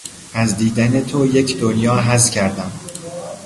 از دیدن تو یک دنیا حظ کردم!